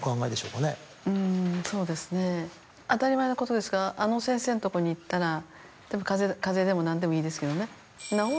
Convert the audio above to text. うんそうですね当たり前のことですがあの先生のとこに行ったら風邪でも何でもいいですけどね。